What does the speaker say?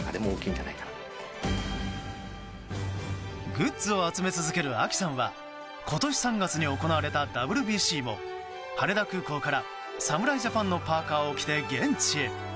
グッズを集め続けるＡＫＩさんは今年３月に行われたＷＢＣも羽田空港から侍ジャパンのパーカを着て現地へ。